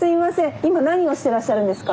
今何をしてらっしゃるんですか？